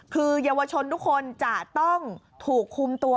คือเยาวชนทุกคนจะต้องถูกคุมตัว